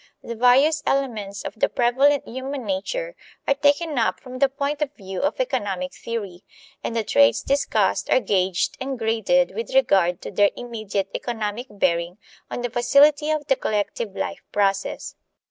The various elements of the prevalent human nature are taken up from the point of view of economic theory, and the traits discussed are gauged and graded with regard to their immediate economic bearing on the facility of the collective life process.